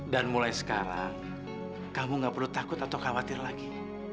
mulai sekarang kamu gak perlu takut atau khawatir lagi